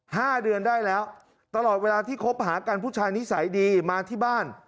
ห้าเดือนได้แล้วตลอดเวลาที่คบหากันผู้ชายนิสัยดีมาที่บ้าน